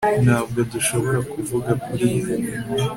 Ntabwo dushobora kuvuga kuri ibi